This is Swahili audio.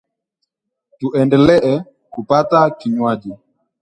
Tuendelee kupata kinywaji